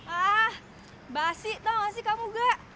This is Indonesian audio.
ah basi tau gak sih kamu gak